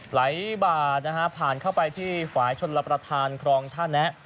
ไหลบาดนะฮะผ่านเข้าไปที่ฝ่ายชนรับประทานครองท่าแนะ